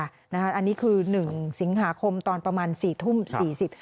อันนี้คือหนึ่งสิงหาคมตอนประมาณสี่ทุ่มสี่สิบ